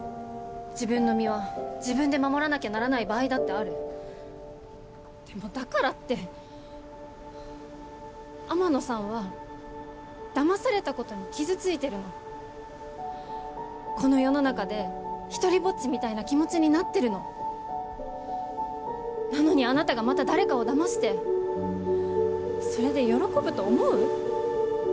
自分の身は自分で守らなきゃならない場合だってあるでもだからって天野さんは騙されたことに傷ついてるのこの世の中で独りぼっちみたいな気持ちになってるのなのにあなたがまた誰かを騙してそれで喜ぶと思う？